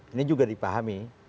ini juga dipahami